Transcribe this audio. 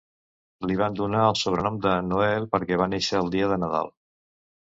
Li van donar el sobrenom de "Noel" perquè va néixer el dia de Nadal.